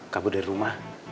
kamu dari rumah